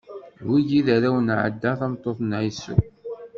D wigi i d arraw n Ɛada, tameṭṭut n Ɛisu.